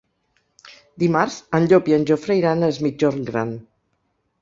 Dimarts en Llop i en Jofre iran a Es Migjorn Gran.